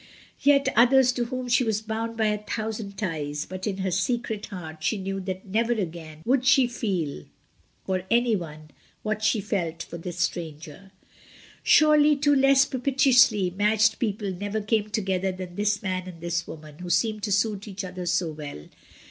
Yes, others to whom she was bound by a thousand ties; but in her secret heart she knew that never again would she feel for any one what she felt for this stranger. Surely two less propitiously matched people never came together than this man and this woman, who seemed to suit each other so well.